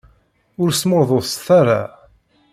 Ur smurḍuset ara.